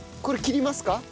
これ切りますか？